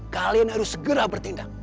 kalian harus segera bertindak